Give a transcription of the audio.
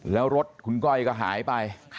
แล้วรถคุณก้อยก็หายไป